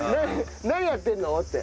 何やってんの？って。